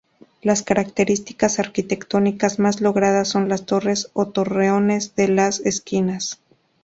Las características arquitectónicas más logradas son las torres o torreones de las esquinas.